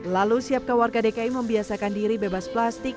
lalu siapkah warga dki membiasakan diri bebas plastik